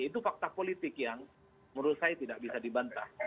itu fakta politik yang menurut saya tidak bisa dibantah